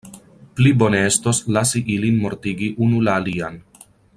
Pli bone estos lasi ilin mortigi unu la alian.